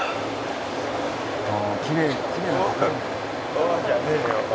「“ああ”じゃねえよ」